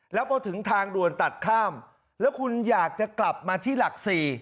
แล้วพอถึงทางด่วนตัดข้ามแล้วคุณอยากจะกลับมาที่หลัก๔